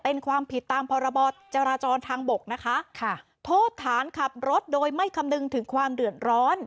เป็นความผิดตามพรบจราจรทางบกนะคะค่ะโทษฐานขับรถโดยไม่คำนึงถึงความเดือดร้อน